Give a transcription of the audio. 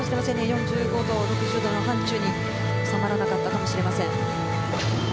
４５度から６０度の範疇に収まらなかったかもしれません。